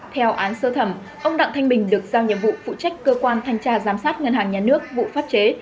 theo án sơ thẩm ông đặng thanh bình được giao nhiệm vụ phụ trách cơ quan thanh tra giám sát ngân hàng nhà nước vụ pháp chế